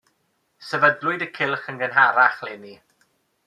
Sefydlwyd y cylch yn gynharach 'leni.